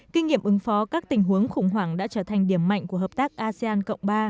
kinh nghiệm ứng phó các tình huống khủng hoảng đã trở thành điểm mạnh của hợp tác asean cộng ba